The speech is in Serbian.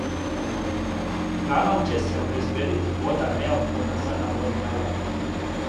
Браном ће се обезбедити вода неопходна за наводњавање.